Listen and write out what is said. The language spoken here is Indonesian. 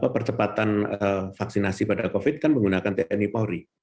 percepatan vaksinasi pada covid kan menggunakan tni polri